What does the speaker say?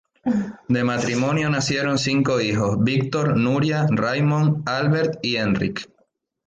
De matrimonio nacieron cinco hijos: Víctor, Núria, Raimon, Albert y Enric.